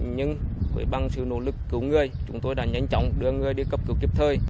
nhưng với bằng sự nỗ lực cứu người chúng tôi đã nhanh chóng đưa người đi cấp cứu kịp thời